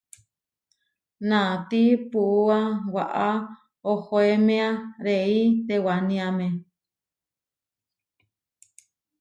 Naatí puúa waʼá ohoémea réi tewániame.